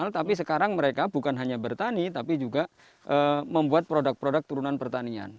tapi sekarang mereka bukan hanya bertani tapi juga membuat produk produk turunan pertanian